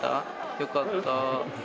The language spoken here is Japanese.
よかった。